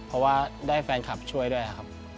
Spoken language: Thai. เพราะว่าได้แฟนคลับช่วยด้วยครับ